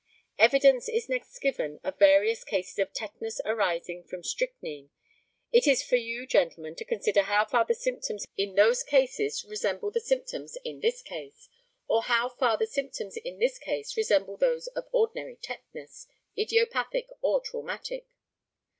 Evidence is next given of various cases of tetanus arising from strychnine; it is for you, gentlemen, to consider how far the symptoms in those cases resemble the symptoms in this case, or how far the symptoms in this case resemble those of ordinary tetanus, idiopathic or traumatic.